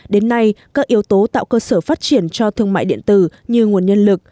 đến nay các yếu tố tạo cơ sở phát triển cho thương mại điện tử như nguồn nhân lực